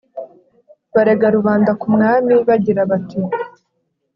barega rubanda ku mwami bagira bati